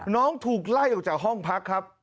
น้องถูกไล่ออกจากห้องพักครับ